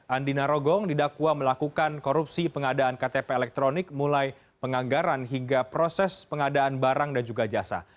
andi narogong didakwa melakukan korupsi pengadaan ktp elektronik mulai penganggaran hingga proses pengadaan barang dan juga jasa